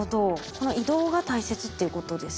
この移動が大切っていうことですね。